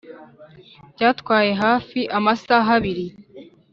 byatwaye hafi amasaha abiri